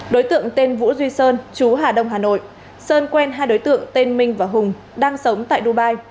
đối tượng tên vũ duy sơn chú hà đông hà nội sơn quen hai đối tượng tên minh và hùng đang sống tại dubai